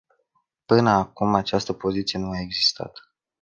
Până acum această poziție nu a existat.